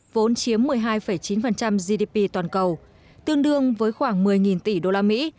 vốn chiếm một mươi hai chín gdp toàn cầu tương đương với khoảng một mươi tỷ usd